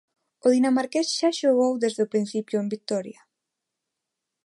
O dinamarqués xa xogou desde o principio en Vitoria.